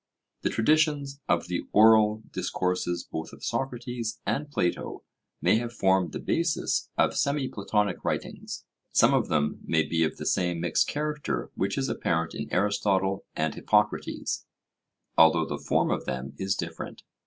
The traditions of the oral discourses both of Socrates and Plato may have formed the basis of semi Platonic writings; some of them may be of the same mixed character which is apparent in Aristotle and Hippocrates, although the form of them is different.